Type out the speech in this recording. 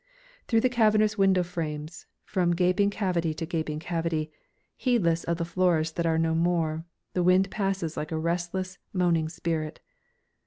Through the cavernous window frames, from gaping cavity to gaping cavity, heedless of the floors that are no more, the wind passes like a restless, moaning spirit.